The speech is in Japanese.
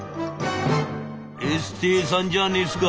「エステーさんじゃねえっすか。